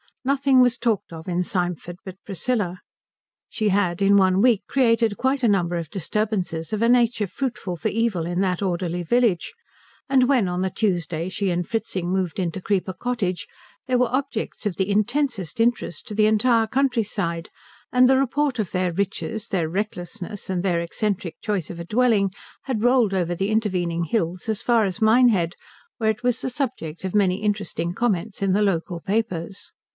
Nothing was talked of in Symford but Priscilla. She had in one week created quite a number of disturbances of a nature fruitful for evil in that orderly village; and when on the Tuesday she and Fritzing moved into Creeper Cottage they were objects of the intensest interest to the entire country side, and the report of their riches, their recklessness, and their eccentric choice of a dwelling had rolled over the intervening hills as far as Minehead, where it was the subject of many interesting comments in the local papers.